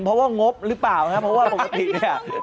เพราะว่างบหรือเปล่านะครับเพราะว่าปกติเนี่ย